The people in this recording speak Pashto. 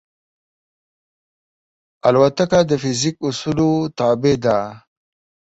الوتکه د فزیک اصولو تابع ده.